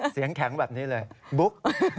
เสียงแข็งแบบนี้เลยบุ๊ก